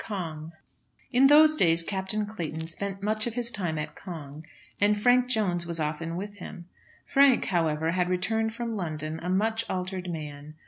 CONG. In those days Captain Clayton spent much of his time at Cong, and Frank Jones was often with him. Frank, however, had returned from London a much altered man.